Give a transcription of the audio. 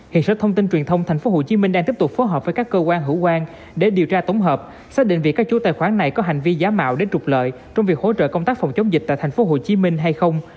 hiện sở thông tin truyền thông tp hcm đang tiếp tục phối hợp với các cơ quan hữu quan để điều tra tổng hợp xác định việc các chú tài khoản này có hành vi giả mạo để trục lợi trong việc hỗ trợ công tác phòng chống dịch tại tp hcm hay không